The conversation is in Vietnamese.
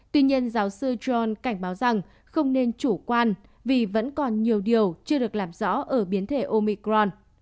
tuy nhiên giáo sư john cảnh báo rằng không nên chủ quan vì vẫn còn nhiều điều chưa được làm rõ ở biến thể omicron